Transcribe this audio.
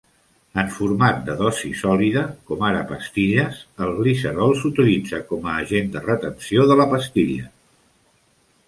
En format de dosi sòlida com ara pastilles, el glicerol s'utilitza com a agent de retenció de la pastilla.